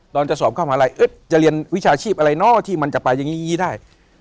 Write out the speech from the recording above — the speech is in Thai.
ตอนจะสอบเข้าหมาลัยเอ๊ะจะเรียนวิชาชีพอะไรเนอะที่มันจะไปอย่างงี้ได้